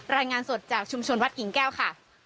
รายงานสดจากชุมชนวัดกิ่งแก้วค่ะ